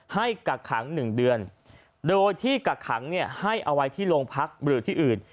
กักขัง๑เดือนโดยที่กักขังให้เอาไว้ที่โรงพักหรือที่อื่น